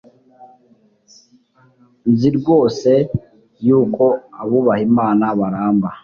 nzi rwose yuko abubaha imana baramba